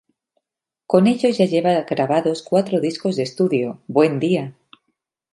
Con ellos ya lleva grabados cuatro discos de estudio: "Buen día!